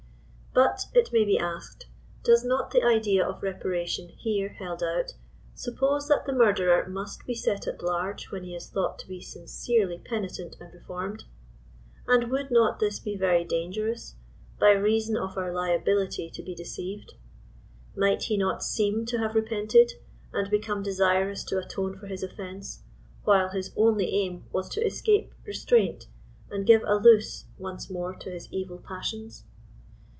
But, it may be asked, does not the idea of reparation here held out» suppose that the murderer must be set at larg^e when he is thought to be sincerely penitent and reformed ? And would not this be Tery , dangerous, by reason of our liability to be deceived? Might he not seem to have repented and become desirous to atone for his offense, while his only aim was to escape restraint and give a loose once more to his evil passions